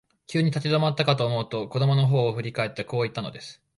急に立ち止まったかと思うと、子供のほうを振り返って、こう言ったのです。